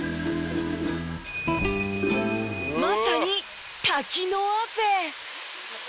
まさに滝の汗。